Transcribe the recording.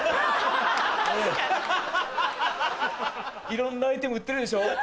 いろんなアイテム売ってるでしょ？